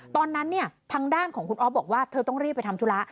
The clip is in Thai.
ตอนนั้นเนี่ยทางด้านของคุณอ๊อฟบอกว่าเธอต้องรีบไปทำธุระ